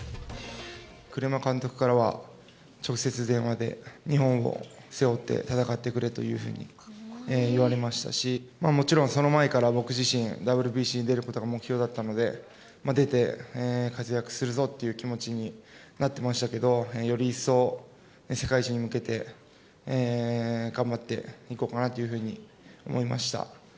栗山監督からは、直接電話で日本を背負って戦ってくれというふうに言われましたし、もちろんその前から、僕自身、ＷＢＣに出ることが目標だったので、出て活躍するぞっていう気持ちになってましたけど、より一層、世界一に向けて頑張っていこうかなというふうに思いました。